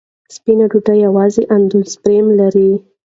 سپینه ډوډۍ یوازې اندوسپرم لري.